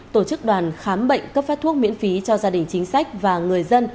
tổ chức đoàn khám bệnh cấp phát thuốc miễn phí cho gia đình chính sách và người dân